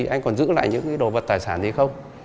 anh còn giữ lại những đồ vật tài sản gì không